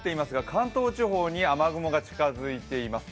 関東地方に雨雲が近づいています。